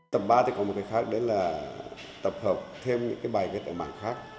tập ba thì có một cái khác đó là tập hợp thêm những bài viết ở mạng khác